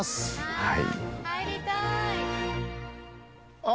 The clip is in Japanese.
はい。